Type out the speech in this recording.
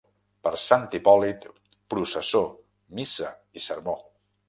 Per Sant Hipòlit, processó, missa i sermó.